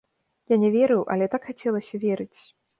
Я не верыў, але так хацелася верыць.